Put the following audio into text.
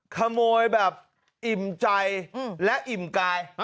ขโมยแบบอิ่มใจและอิ่มกาย